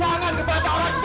jangan kebata orang tua